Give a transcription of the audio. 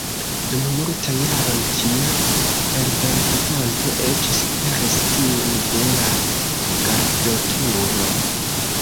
Dum multaj jaroj ĝia eldonkvanto eĉ superis tiun de "La Gardoturo".